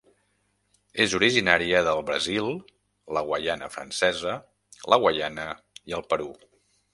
És originària del Brasil, la Guaiana Francesa, la Guaiana i el Perú.